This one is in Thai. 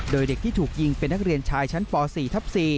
โดยเด็กที่ถูกยิงเป็นนักเรียนชายชั้นป๔ทับ๔